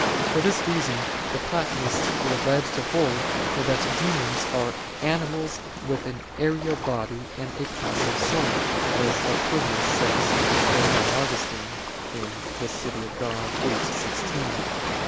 For this reason the Platonists were led to hold that demons are "animals with an aerial body and a passive soul," as Apuleius says, quoted by Augustine (De Civ. Dei viii, 16).